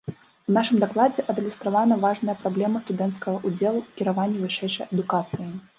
У нашым дакладзе адлюстравана важная праблема студэнцкага ўдзелу ў кіраванні вышэйшай адукацыяй.